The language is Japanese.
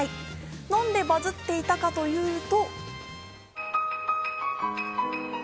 なんでバズっていたかというと。